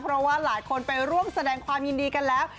เพราะว่าหลายคนไปร่วมแสดงความยินดีกันแล้ว